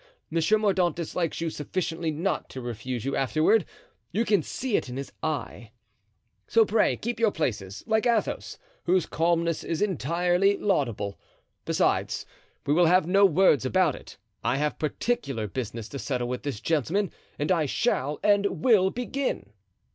Monsieur Mordaunt dislikes you sufficiently not to refuse you afterward. You can see it in his eye. So pray keep your places, like Athos, whose calmness is entirely laudable. Besides, we will have no words about it. I have particular business to settle with this gentleman and I shall and will begin."